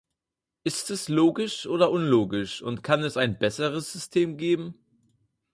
Ist es logisch oder unlogisch und kann es ein besseres System geben?